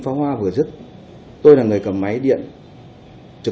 công an hà nội đã đẩy cao